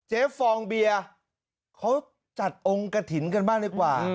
ฟองเบียร์เขาจัดองค์กระถิ่นกันบ้างดีกว่า